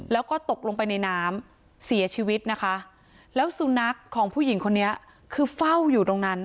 แล้วก็ตกลงไปในน้ำเสียชีวิตนะคะแล้วสุนัขของผู้หญิงคนนี้คือเฝ้าอยู่ตรงนั้น